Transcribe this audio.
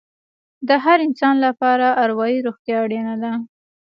د هر انسان لپاره اروايي روغتیا اړینه ده.